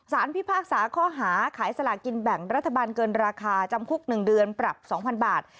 พิพากษาข้อหาขายสลากินแบ่งรัฐบาลเกินราคาจำคุก๑เดือนปรับ๒๐๐บาท